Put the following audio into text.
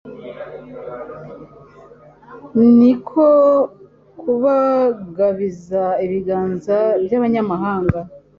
ni ko kubagabiza ibiganza by'abanyamahanga